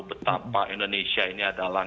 betapa indonesia ini adalah